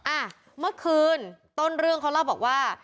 อ่ะเมื่อคืนต้นเรื่องเขาเล่าบอกว่า